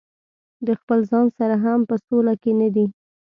د خپل ځان سره هم په سوله کې نه دي.